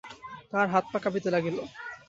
তাঁহার হাত-পা কাঁপিতে লাগিল।